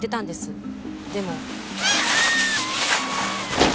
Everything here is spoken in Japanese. でも。